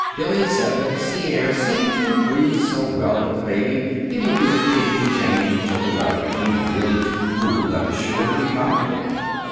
Billy said that the sea air seemed to agree so well with the baby it would be a pity to change until the weather became really too cool at the shore to be comfortable.